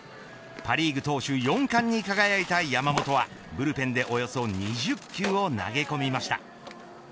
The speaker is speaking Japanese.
パ・リーグ投手４冠に輝いた山本はブルペンでおよそ２０球を投げ込みました。